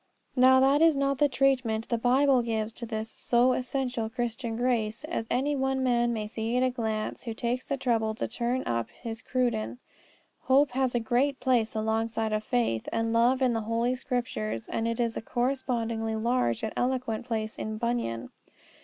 Now that is not the treatment the Bible gives to this so essential Christian grace, as any one may see at a glance who takes the trouble to turn up his Cruden. Hope has a great place alongside of faith and love in the Holy Scriptures, and it has a correspondingly large and eloquent place in Bunyan.